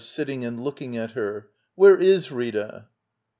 [Sitting and looking at her.] Where is Rita?